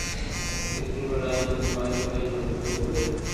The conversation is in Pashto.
فکري بډاينه به تر مالي بډاينې لومړيتوب ولري.